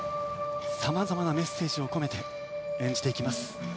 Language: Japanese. さまざまなメッセージを込めて演じていきます。